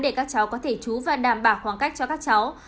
để các cháu có thể chú và đảm bảo khoảng cách cho các cháu